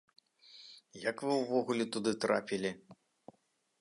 Як вы ўвогуле туды трапілі?